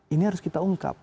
ini harus kita ungkap